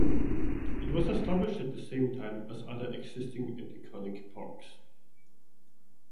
It was established at the same time as other existing and iconic parks.